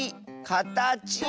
「かたち」！